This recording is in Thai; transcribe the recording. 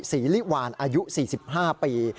ศรีลิวานอายุ๔๕ปี